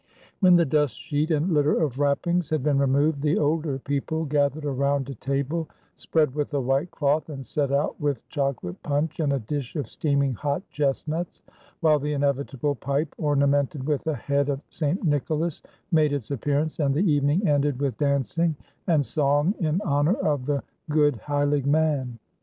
When the dust sheet and litter of wrappings had been removed, the older people gathered around a table spread with a white cloth and set out with chocolate punch and a dish of steaming hot chestnuts, while the inevitable pipe, ornamented with a head of St. Nicholas, made its appearance and the evening ended with dancing and song in honor of the "goed heilig man."